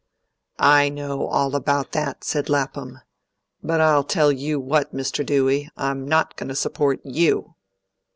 "I know all about that," said Lapham. "But I'll tell you what, Mr. Dewey, I'm not going to support YOU."